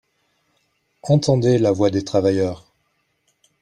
Entendez la voix des travailleurs